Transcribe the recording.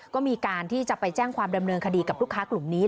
ก็มีการที่จะไปแจ้งความดำเนินคดีกับลูกค้ากลุ่มนี้